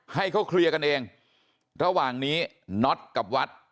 ให้เขาเคลียร์กันเองระหว่างนี้น็อตกับวัด